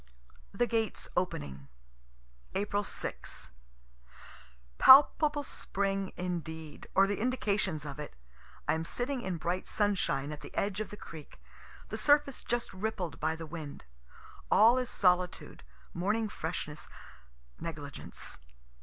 THE GATES OPENING April 6. Palpable spring indeed, or the indications of it. I am sitting in bright sunshine, at the edge of the creek, the surface just rippled by the wind. All is solitude, morning freshness, negligence.